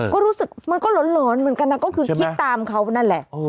ก็รู้สึกมันก็หลอนเหมือนกันนะก็คือคิดตามเขานั่นแหละ